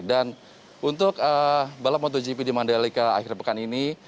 dan untuk balap motogp di mandalika akhir pekan ini